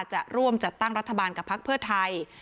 จะร่วมจัดตั้งรัฐบาลกับพักเพื่อไทย